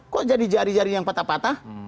kok jadi jari jari yang patah patah